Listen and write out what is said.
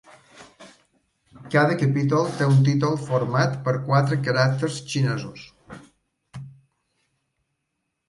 Cada capítol té un títol format per quatre caràcters xinesos.